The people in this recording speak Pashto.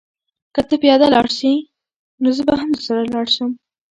که ته پیاده لاړ شې نو زه به هم درسره لاړ شم.